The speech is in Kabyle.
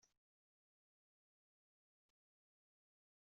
Maɣ allig da yesḥirjdil Ṭum?